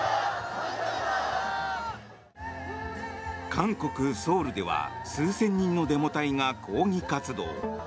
韓国ソウルでは数千人のデモ隊が抗議活動。